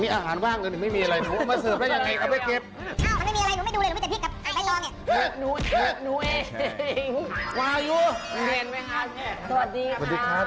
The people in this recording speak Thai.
มีอาหารว่างก็เลยไม่มีอะไร